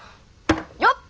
よっ！